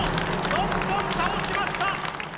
６本倒しました。